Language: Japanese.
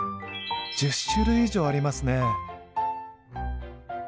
１０種類以上ありますね。